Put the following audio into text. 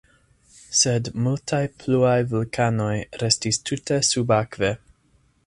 Sed multaj pluaj vulkanoj restis tute subakve.